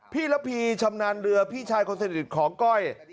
ระพีชำนาญเรือพี่ชายคนสนิทของก้อย